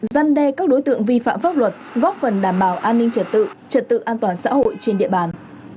giăn đe các đối tượng vi phạm pháp luật góp phần đảm bảo an ninh trật tự trật tự an toàn xã hội trên địa bàn